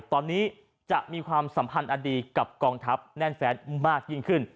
ตอนนี้จะมีความสัมพันธ์อันดีกับกองทัพแน่นแฟนมากยิ่งขึ้น